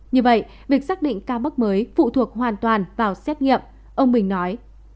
như vậy việc xác định ca mắc mới phụ thuộc hoàn toàn vào xét nghiệm ông bình nói